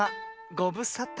ごぶさた。